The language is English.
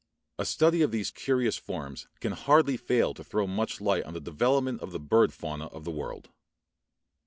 A study of these curious forms can hardly fail to throw much light upon the development of the bird fauna of the world.